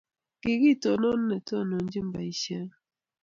Kokitonon netononchini Boishet